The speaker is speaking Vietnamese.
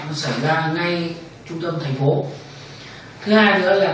nó xảy ra ngay trung tâm thành phố thái nguyên